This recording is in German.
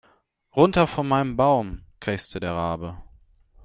"Runter von meinem Baum", krächzte der Rabe.